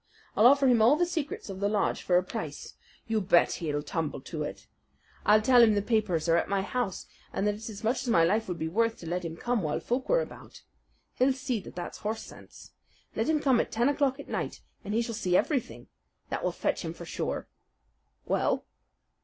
I'll offer him all the secrets of the lodge for a price. You bet he'll tumble to it. I'll tell him the papers are at my house, and that it's as much as my life would be worth to let him come while folk were about. He'll see that that's horse sense. Let him come at ten o'clock at night, and he shall see everything. That will fetch him sure." "Well?"